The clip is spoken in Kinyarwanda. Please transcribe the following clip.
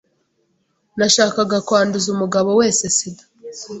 Nashakaga kwanduza umugabo wese SIDA".